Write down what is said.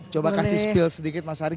coba kasih spill sedikit mas ari